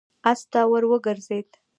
آس ته ور وګرځېد.